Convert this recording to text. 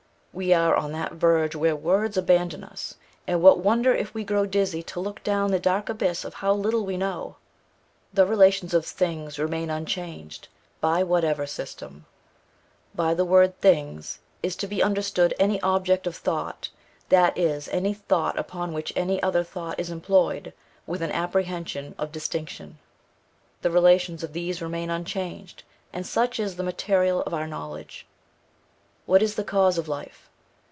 We are on that verge where words abandon us, and what wonder if we grow dizzy to look down the dark abyss of how little we know. The relations of THINGS remain unchanged, by whatever system. By the word THINGS is to be understood any object of thought, that is any thought upon which any other thought is employed, with an apprehension of distinction. The relations of these remain unchanged; and such is the material of our knowledge. What is the cause of life?